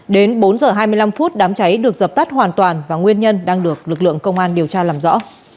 đến bốn h hai mươi năm phút đám cháy được dập tắt hoàn toàn và nguyên nhân đang được lực lượng công an điều tra làm rõ